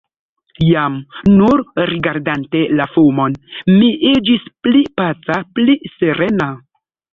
Jam, nur rigardante la fumon, mi iĝis pli paca, pli serena.